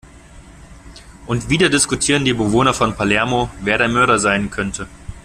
Und wieder diskutieren die Bewohner von Palermo, wer der Mörder sein könnte.